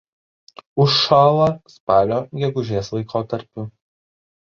Užšąla spalio–gegužės laikotarpiu.